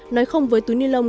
nói không với túi ni lông